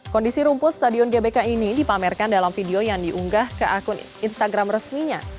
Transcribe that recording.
kondisi rumput stadion gbk ini dipamerkan dalam video yang diunggah ke akun instagram resminya